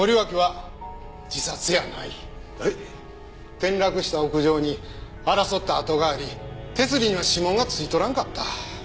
転落した屋上に争った跡があり手すりには指紋が付いとらんかった。